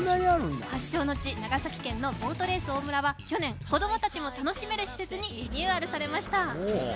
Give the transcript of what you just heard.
発祥の地、長崎県のボートレース大村は去年、子供たちも楽しめる施設にリニューアルしました。